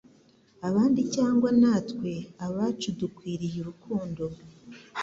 abandi cyangwa natwe ubwacu dukwiriye urukundo.”